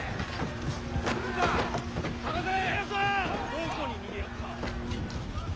どこに逃げおった！